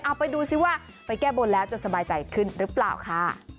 เอาไปดูซิว่าไปแก้บนแล้วจะสบายใจขึ้นหรือเปล่าค่ะ